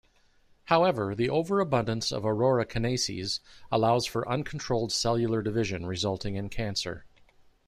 However, the overabundance of Aurora kinases allows for uncontrolled cellular division, resulting in cancer.